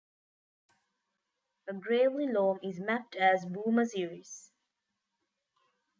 A gravelly loam is mapped as Boomer series.